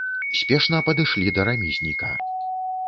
Спешна падышлі да рамізніка.